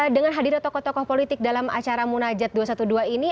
dengan hadirnya tokoh tokoh politik dalam acara munajat dua ratus dua belas ini